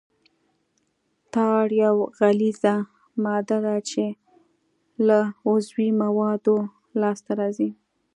ټار یوه غلیظه ماده ده چې له عضوي موادو لاسته راځي